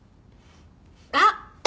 あっ！